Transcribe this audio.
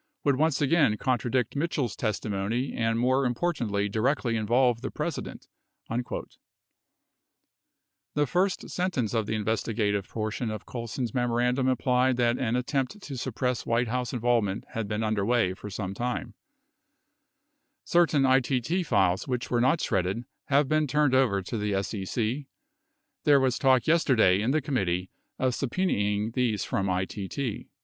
would once again contradict Mitchell's testimony and more importantly directly involve the President ." 57 The first sentence of the investigative portion of Colson's memoran dum implied that an attempt to suppress White House involvement had been underway for some time : Certain ITT'files which were not shredded have been turned over the SEC ; there was talk yesterday in the committee of subpenaing these from ITT